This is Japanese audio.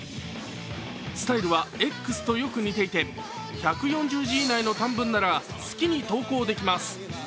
スタイルはＸとよく似ていて１４０字以内の短文なら好きに投稿できます。